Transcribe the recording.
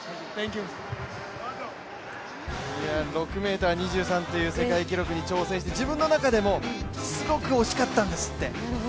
６ｍ２３という世界記録に挑戦して、自分の中でもすごく惜しかったんですって。